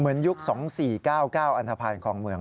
เหมือนยุค๒๔๙๙อันทภัณฑ์ของเมือง